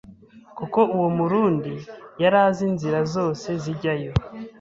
kuko uwo murundi yari azi inzira zose zijyayo